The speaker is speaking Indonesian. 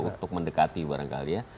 untuk mendekati barangkali ya